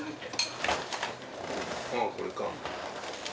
ああこれか。